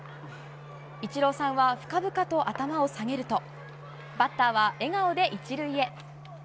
イチローさんは深々と頭を下げるとバッターは笑顔で１塁へ。